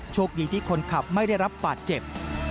โชคดีที่คนขับไม่ได้รับบาดเจ็บ